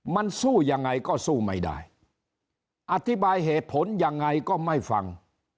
มันสู้ยังไงก็สู้ไม่ได้อธิบายเหตุผลยังไงก็ไม่ฟัง